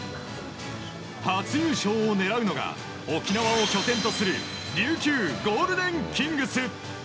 初優勝を狙うのが沖縄を拠点とする琉球ゴールデンキングス。